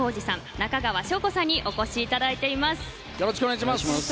中川翔子さんにお越しいただいています。